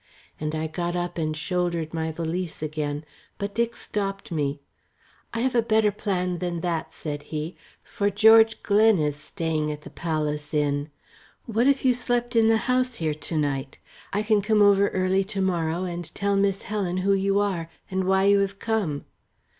And I got up and shouldered my valise again. But Dick stopped me. "I have a better plan than that," said he, "for George Glen is staying at the 'Palace' Inn. What if you slept in the house here to night! I can come over early to morrow and tell Miss Helen who you are, and why you have come."